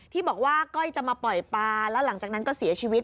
ที่บอกว่าก้อยจะมาปล่อยปลาแล้วหลังจากนั้นก็เสียชีวิต